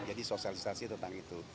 jadi sosialisasi tentang itu